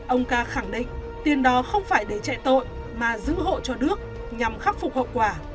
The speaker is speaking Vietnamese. ông ca khẳng định tiền đó không phải để chạy tội mà giữ hộ cho đức nhằm khắc phục hậu quả